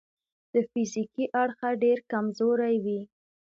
د فزیکي اړخه ډېر کمزوري وي.